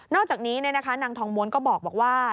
อกจากนี้นางทองม้วนก็บอกว่า